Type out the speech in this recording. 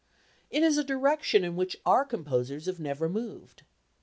It is a direction in which our composers have never moved.